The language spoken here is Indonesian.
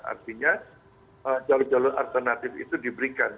artinya jalur jalur alternatif itu diberikan